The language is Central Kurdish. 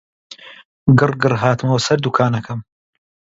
گڕگڕ هاتمەوە سەر دووکانەکەم